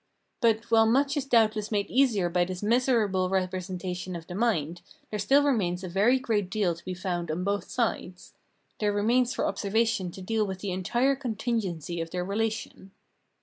But, while much is doubtless made easier by this miserable representation of the mind, there still remains a very great deal to be found on both sides : there re mains for observation to deal with the entire contingency of their relation.